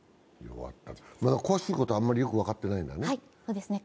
詳しいことは、あんまりよく分かってないんだね。